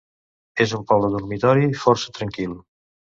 És un poble dormitori força tranquil.